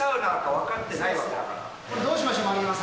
これ、どうしましょう？